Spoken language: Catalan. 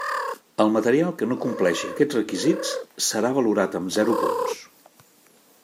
El material que no compleixi aquests requisits serà valorat amb zero punts.